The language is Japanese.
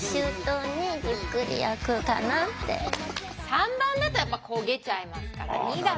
３番だとやっぱ焦げちゃいますから２だと。